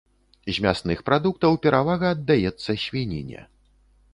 З мясных прадуктаў перавага аддаецца свініне.